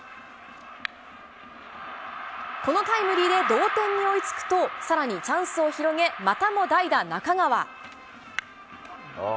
このタイムリーで同点に追いつくと、さらにチャンスを広げ、またも代打、中川。